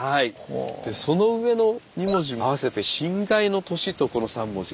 でその上の２文字も合わせて「辛亥年」とこの３文字。